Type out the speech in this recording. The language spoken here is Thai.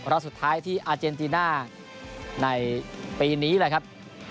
รอบสุดท้ายที่อาเจนติน่าในปีนี้แหละครับ